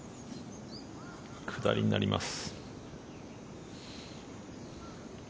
下りになります。